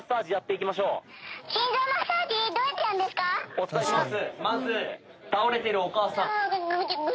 お伝えします。